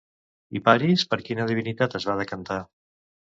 I Paris per quina divinitat es va decantar?